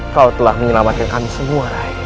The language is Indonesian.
kau telah menyelamatkan kami semua